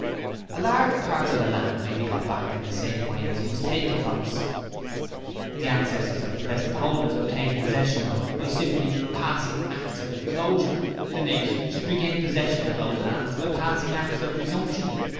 'A large part of the land may be got back in the same way as it was taken from us. The ancestors of the present holders obtained possession of it by simply passing Acts of Enclosure: the nation should regain possession of those lands by passing Acts of Resumption.